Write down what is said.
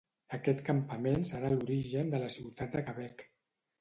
Aquest campament serà l'origen de la ciutat de Quebec.